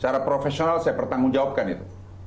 secara profesional saya bertanggung jawabkan itu